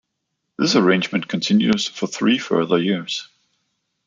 This arrangement continued for three further years.